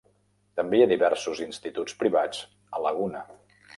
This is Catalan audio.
També hi ha diversos instituts privats a Laguna.